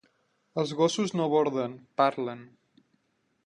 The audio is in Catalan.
Els gossos no borden, parlen.